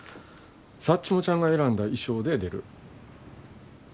サッチモちゃんが選んだ衣装で出る。